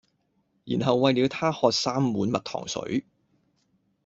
然後餵了她喝三碗蜜糖水